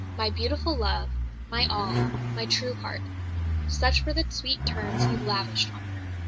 "My beautiful Love," "My All," "My Trueheart" such were the sweet terms he lavished on her.